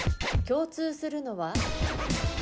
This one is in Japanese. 共通するのは？